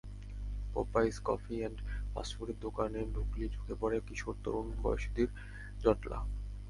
Popeyes coffee and ফাস্টফুডের দোকানে ঢুকলেই চোখে পড়ে কিশোর, তরুণ বয়সীদের জটলা।